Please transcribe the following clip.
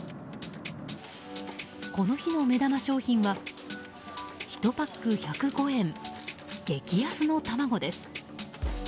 この日の目玉商品は１パック１０５円、激安の卵です。